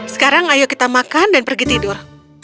sekarang ayo kita makan dan pergi tidur